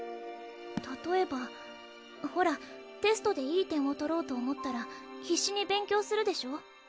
たとえばほらテストでいい点を取ろうと思ったら必死に勉強するでしょ